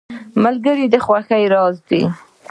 ملګری د خوښیو راز دی.